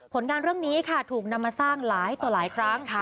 งานเรื่องนี้ค่ะถูกนำมาสร้างหลายต่อหลายครั้ง